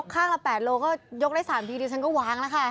ข้างละ๘โลก็ยกได้๓ทีดิฉันก็วางแล้วค่ะ